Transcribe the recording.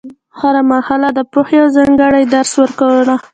هره مرحله د پوهې یو ځانګړی درس ورکړه.